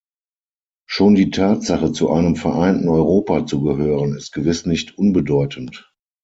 Schon die Tatsache, zu einem vereinten Europa zu gehören, ist gewiss nicht unbedeutend.